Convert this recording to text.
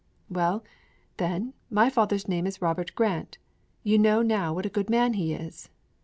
'Well, then, my father's name is Robert Grant; you know now what a good man he is!'